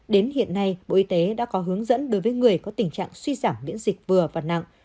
đến hiện nay bộ y tế đã có hướng dẫn đối với người có tình trạng suy giảm miễn dịch vừa và nặng